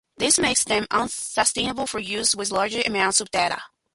This makes them unsuitable for use with larger amounts of data.